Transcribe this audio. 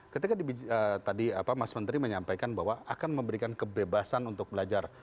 ketika tadi mas menteri menyampaikan bahwa akan memberikan kebebasan untuk belajar